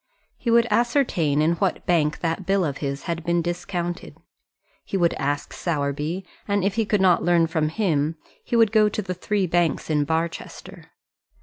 He would ascertain in what bank that bill of his had been discounted. He would ask Sowerby, and if he could not learn from him, he would go to the three banks in Barchester.